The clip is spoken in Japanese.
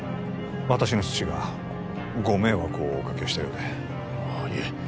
私の父がご迷惑をおかけしたようでいえ